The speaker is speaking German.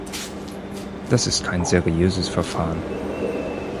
Das ist kein seriöses Verfahren.